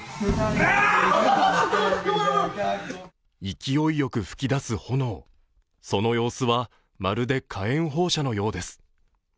勢いよく噴き出す炎、その様子はまるで火炎放射のようです。